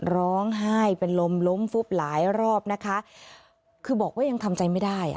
ร้องไห้เป็นลมล้มฟุบหลายรอบนะคะคือบอกว่ายังทำใจไม่ได้อ่ะ